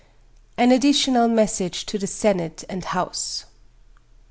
AN ADDITIONAL MESSAGE TO THE SENATE AND HOUSE.